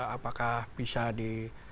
apakah bisa di